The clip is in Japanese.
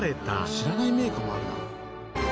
知らないメーカーもあるな。